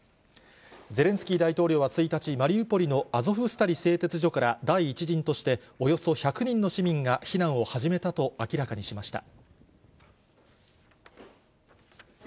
ゼレンスキー大統領は１日、マリウポリのアゾフスタリ製鉄所から、第１陣として、およそ１００人の市民が避難を始めたと明らかにしました。